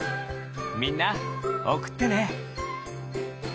みんなおくってね。